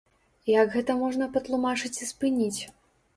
Як гэта можна патлумачыць і спыніць?